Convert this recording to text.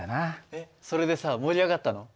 えっそれでさ盛り上がったの？